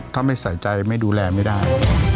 ถ้าไม่ใส่ใจไม่ดูแลไม่ได้